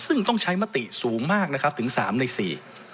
ซึ่งต้องใช้มติสูงมากนะครับถึงสามในสี่